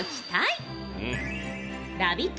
ラヴィット！